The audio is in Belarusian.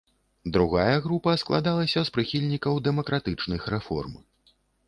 Другая група складалася з прыхільнікаў дэмакратычных рэформ.